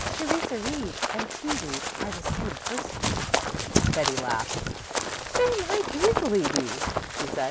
"Theresa Reed and T. Reed are the same person." Betty laughed. "They might easily be," she said.